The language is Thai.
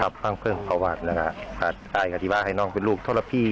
ครับว่างเพิ่งภาวะนะครับแต่ตายกะตีบ้านให้น้องเป็นลูกทั่วละพี่